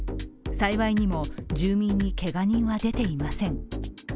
幸いにも、住民にけが人は出ていません。